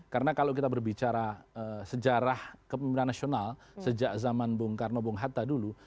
karena kalau kita berbicara sejarah kepemimpinan nasional sejak zaman bung karno bung hatta dulu